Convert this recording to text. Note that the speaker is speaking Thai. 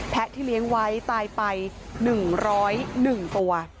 ที่เลี้ยงไว้ตายไป๑๐๑ตัว